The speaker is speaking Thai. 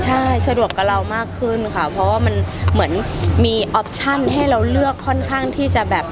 ใช่สะดวกกับเรามากขึ้นค่ะเพราะว่ามันเหมือนมีออปชั่นให้เราเลือกค่อนข้างที่จะแบบ